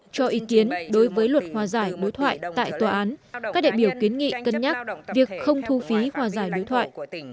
cho ý kiến đối với luật hòa giải đối thoại tại tòa án các đại biểu kiến nghị cân nhắc việc không thu phí hòa giải đối thoại